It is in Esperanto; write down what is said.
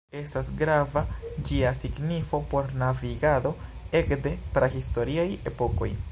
Estas grava ĝia signifo por navigado ekde prahistoriaj epokoj.